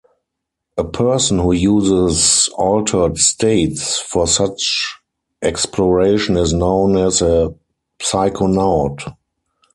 A person who uses altered states for such exploration is known as a psychonaut.